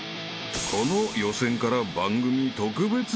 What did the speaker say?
［この予選から番組特別ルールが］